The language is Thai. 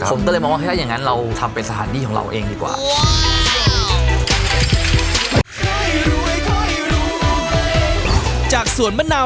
ผมก็เลยมองว่าถ้าอย่างนั้นเราทำเป็นสถานที่ของเราเองดีกว่า